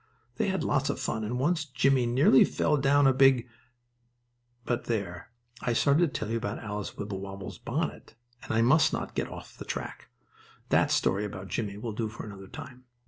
They had lots of fun, and once Jimmie nearly fell down a great big but there, I started to tell you about Alice Wibblewobble's bonnet, and I must not get off the track. That story about Jimmie will do for another time.